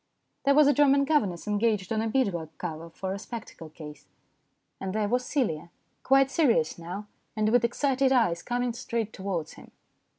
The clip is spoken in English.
There was a German governess engaged on a bead work cover for a spectacle case. And there was Celia, quite serious now, and with excited eyes, coming straight towards him.